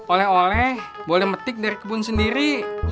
oleh oleh boleh metik dari kebun sendiri